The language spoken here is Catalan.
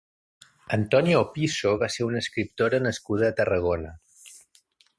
Antonia Opisso va ser una escriptora nascuda a Tarragona.